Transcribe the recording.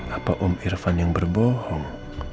apa om irfan yang berbohong